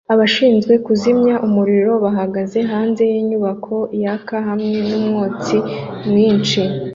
Abashinzwe kuzimya umuriro bahagaze hanze yinyubako yaka hamwe numwotsi mwinshi